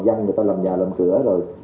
dân người ta làm nhà làm cửa rồi